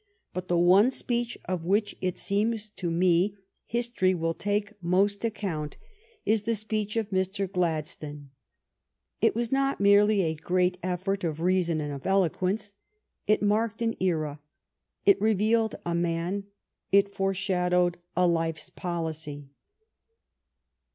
But the one speech of which it seems to me history will take most account is the speech 126 THE STORY OF GLADSTONE'S LIFE of Mr. Gladstone. It was not merely a great effort of reason and of eloquence. It marked an era; it revealed a man; it foreshadowed a life's policy.